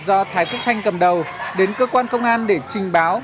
do thái quốc khanh cầm đầu đến cơ quan công an để trình báo